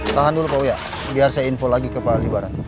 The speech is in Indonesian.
tahan dulu pak uya biar saya info lagi ke pak libaran